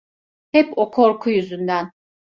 Hep o korku yüzünden.